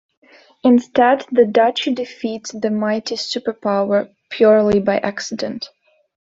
Instead, the Duchy defeats the mighty superpower, purely by accident.